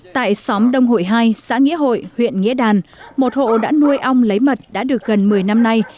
tại xóm đông hội hai xã nghĩa hội huyện nghĩa đàn một hộ đã nuôi ong lấy mật đã được gần một mươi năm nay